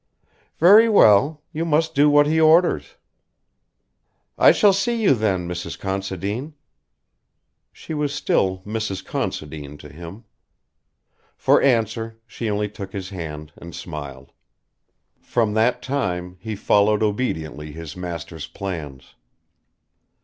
"Very well.... You must do what he orders." "I shall never see you, Mrs. Considine!" She was still Mrs. Considine to him. For answer she only took his hand and smiled. From that time he followed obediently his master's plans.